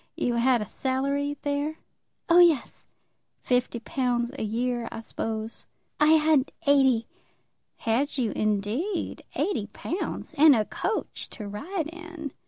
You had a salary there?" "Oh yes." "Fifty pounds a year, I suppose." "I had eighty." "Had you, indeed; eighty pounds; and a coach to ride in!"